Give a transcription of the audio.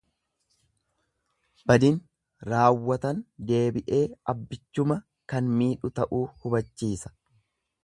Badin raawwatan deebi'ee abbichuma kan miidhu ta'uu hubachiisa.